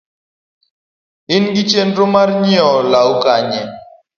in gi chenro mar nyieo lowo Kanye?